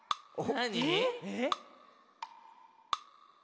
なに？